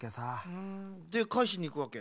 ふんでかえしにいくわけ？